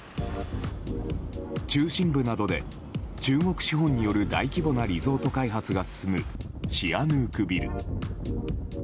中心部などで、中国資本による大規模なリゾート開発が進むシアヌークビル。